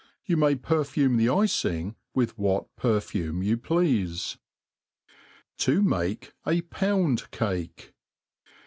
You may perfume the icing with what perfume you pleafe. To make a Pouni Caki.